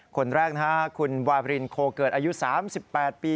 คนแรกนะฮะคุณวารินโคเกิดอายุ๓๘ปี